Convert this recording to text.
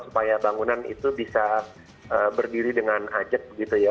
supaya bangunan itu bisa berdiri dengan ajak